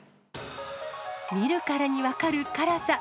見るからに分かる辛さ。